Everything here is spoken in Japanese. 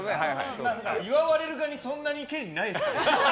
祝われる側にそんな権利ないからね。